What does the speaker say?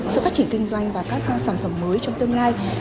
sự phát triển kinh doanh và các sản phẩm mới trong tương lai